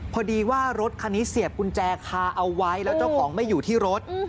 พอดีว่ารถคันนี้เสียบกุญแจคาเอาไว้แล้วเจ้าของไม่อยู่ที่รถ